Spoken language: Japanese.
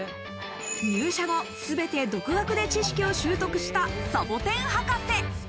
入社後すべて独学で知識を習得したサボテン博士。